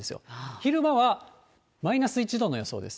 昼間はマイナス１度の予想です。